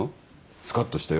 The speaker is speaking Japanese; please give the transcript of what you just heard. スカッとしたよ